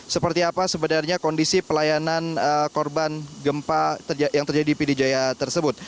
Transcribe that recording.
seperti apa sebenarnya kondisi pelayanan korban gempa yang terjadi di pd jaya tersebut